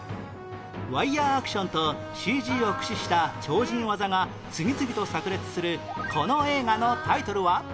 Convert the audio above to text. ワイヤアクションと ＣＧ を駆使した超人技が次々と炸裂するこの映画のタイトルは？